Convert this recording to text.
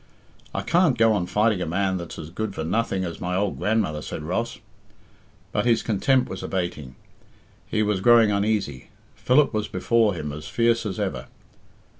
"I can't go on fighting a man that's as good for nothing as my old grandmother," said Ross. But his contempt was abating; he was growing uneasy; Philip was before him as fierce as ever.